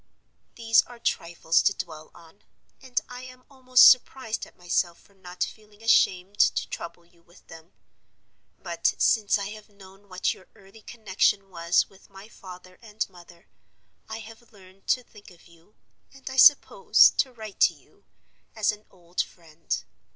"These are trifles to dwell on; and I am almost surprised at myself for not feeling ashamed to trouble you with them. But, since I have known what your early connection was with my father and mother, I have learned to think of you (and, I suppose, to write to you) as an old friend.